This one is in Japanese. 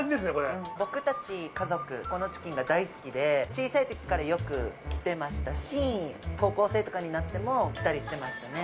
僕たち家族、ここのチキンが大好きで、小さいときからよく来てましてし、高校生とかになっても来たりしてましたね。